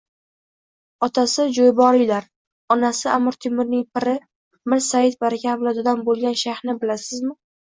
Otasi Joʻyboriylar, onasi Amir Temurning piri Mir Sayyid Baraka avlodidan boʻlgan shayxni bilasizmi?